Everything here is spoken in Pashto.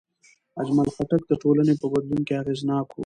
اجمل خټک د ټولنې په بدلون کې اغېزناک و.